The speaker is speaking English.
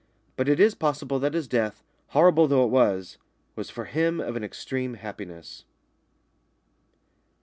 But it is possible that his death, horrible though it was, was for him of an extreme happiness.